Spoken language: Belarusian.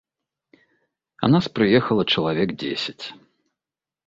А нас прыехала чалавек дзесяць.